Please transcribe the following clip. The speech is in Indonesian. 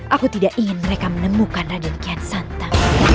aku tidak ingin mereka menemukan raikian santu